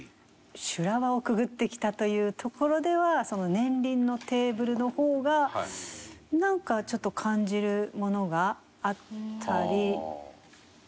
修羅場をくぐってきたというところでは年輪のテーブルの方がなんかちょっと感じるものがあったり。